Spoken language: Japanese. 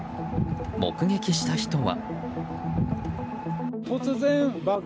目撃した人は。